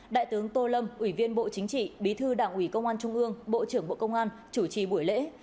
đại tướng tô lâm ủy viên bộ chính trị bí thư đảng ủy công an trung ương bộ trưởng bộ công an chủ trì buổi lễ